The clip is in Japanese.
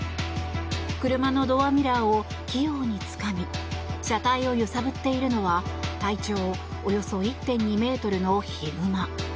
車のドアミラーを器用につかみ車体を揺さぶっているのは体長およそ１．２ｍのヒグマ。